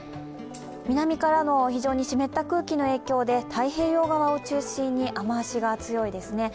南からの非常に湿った空気の影響で太平洋側を中心に雨足が強いですね。